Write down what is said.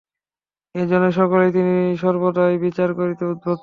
এইজন্য সকলকেই তিনি সর্বদাই বিচার করিতে উদ্যত।